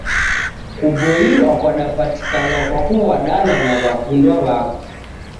Kuboilwa kwadapatika kwa kuw'adana na w'akundwa w'ako.